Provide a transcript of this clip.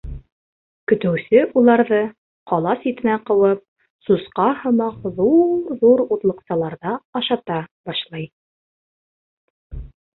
Көтөүсе уларҙы, ҡала ситенә ҡыуып, сусҡа һымаҡ ҙур-ҙур утлыҡсаларҙа ашата башлай.